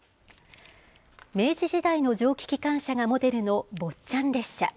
明治時代の蒸気機関車がモデルの坊ちゃん列車。